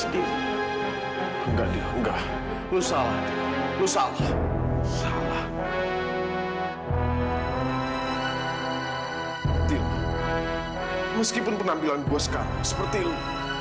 dil meskipun penampilan gue sekarang seperti lo